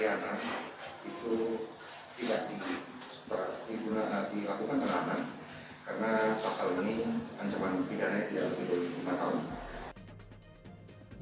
ancaman pindahannya tidak lebih dari lima tahun